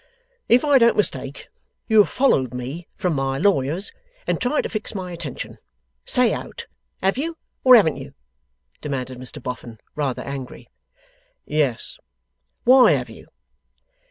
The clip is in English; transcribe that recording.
'If I don't mistake, you have followed me from my lawyer's and tried to fix my attention. Say out! Have you? Or haven't you?' demanded Mr Boffin, rather angry. 'Yes.' 'Why have you?